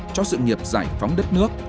cho sự nghiệp giải phóng đất nước